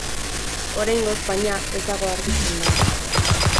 Oraingoz, baina, ez dago argi zenbat.